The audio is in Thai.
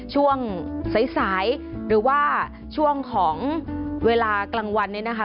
ช่วงสายสายหรือว่าช่วงของเวลากลางวันเนี่ยนะคะ